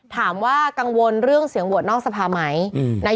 ถามว่ากังวลเรื่องเสียงโหวตนอกสภาไหม